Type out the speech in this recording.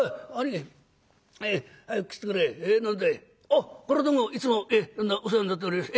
あっこれはどうもいつもお世話になっております。